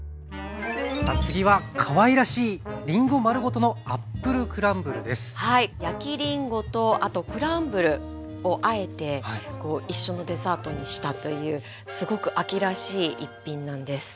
次はかわいらしいりんご丸ごとの焼きりんごとあとクランブルをあえて一緒のデザートにしたというすごく秋らしい一品なんです。